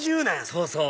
そうそう！